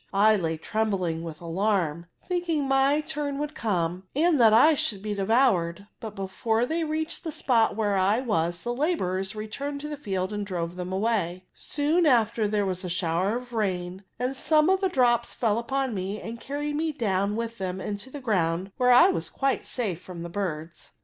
I lay trembling with alarm, thinking my turn would come, and that I should be devoured ; but before they reached the spot where I was the labourers returned to the field and drove them away* Soon after there was a i^ower of rain, and some of the drops fell upon me, and carried me down with them into the ground, where I was quite safe from the birds.